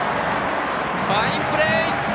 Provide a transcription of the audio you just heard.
ファインプレー！